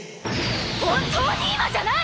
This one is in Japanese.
本当に今じゃない！